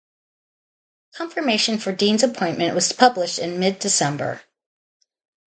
Confirmation for Dean's appointment was published in mid-December.